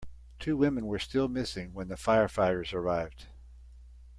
Two women were still missing when the firefighters arrived.